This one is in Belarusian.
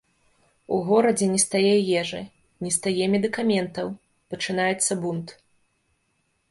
У горадзе не стае ежы, не стае медыкаментаў, пачынаецца бунт.